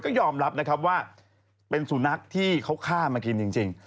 ก็ยอมรับนะครับว่าเป็นสุนัขที่เขาฆ่ามากินจริง